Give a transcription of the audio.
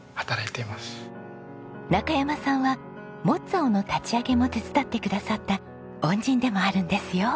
中山さんはＭｏｚｚａｏの立ち上げも手伝ってくださった恩人でもあるんですよ。